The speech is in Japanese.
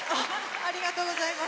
ありがとうございます。